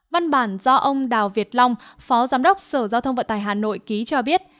văn bản do ông đào việt long phó giám đốc sở giao thông vận tải hà nội ký cho biết